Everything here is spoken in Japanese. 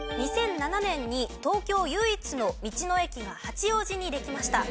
２００７年に東京唯一の道の駅が八王子にできました。